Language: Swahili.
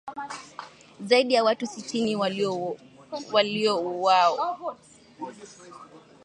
Zaidi ya watu sitini waliuawa hapo Februari mosi